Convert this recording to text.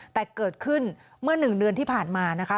แต่เกิดขึ้นเมื่อ๑เดือนที่ผ่านมานะคะ